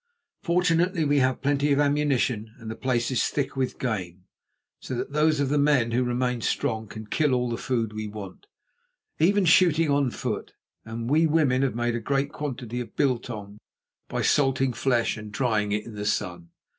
Fortunately we have plenty of ammunition and the place is thick with game, so that those of the men who remain strong can kill all the food we want, even shooting on foot, and we women have made a great quantity of biltong by salting flesh and drying it in the sun.